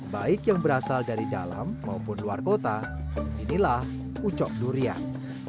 baik yang berasal dari dalam maupun luar kota inilah ucok durian